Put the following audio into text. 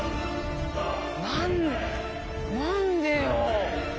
何何でよ！